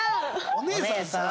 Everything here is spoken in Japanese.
お姉さんさあ。